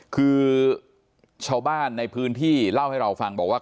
คือชาวบ้านในพื้นที่เล่าให้เราฟังบอกว่า